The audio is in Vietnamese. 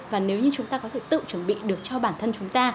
và nếu như chúng ta có thể tự chuẩn bị được cho bản thân chúng ta